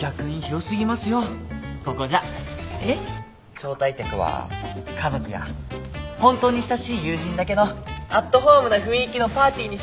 招待客は家族や本当に親しい友人だけのアットホームな雰囲気のパーティーにしますから。